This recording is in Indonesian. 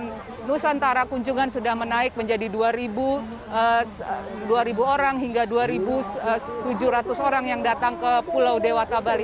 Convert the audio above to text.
kunjungan nusantara kunjungan sudah menaik menjadi dua orang hingga dua tujuh ratus orang yang datang ke pulau dewata bali